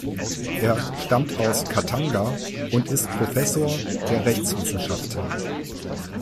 Er stammt aus Katanga und ist Professor der Rechtswissenschaften.